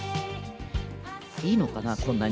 いいのかな？